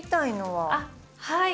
はい。